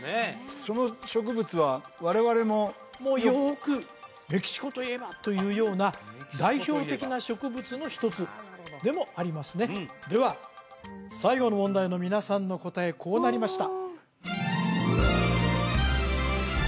その植物は我々ももよくメキシコといえばというような代表的な植物の１つでもありますねでは最後の問題の皆さんの答えこうなりました